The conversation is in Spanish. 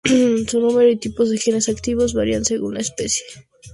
Su número y tipos de genes activos varían según la especie.